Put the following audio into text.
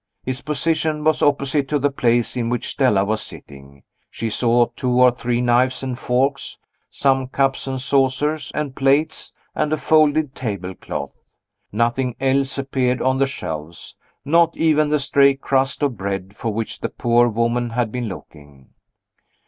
Its position was opposite to the place in which Stella was sitting. She saw two or three knives and forks, some cups and saucers and plates, and a folded table cloth. Nothing else appeared on the shelves; not even the stray crust of bread for which the poor woman had been looking.